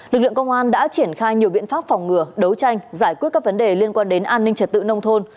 lực lượng công an đã triển khai nhiều biện pháp phòng ngừa đấu tranh giải quyết các vấn đề liên quan đến an ninh trật tự nông thôn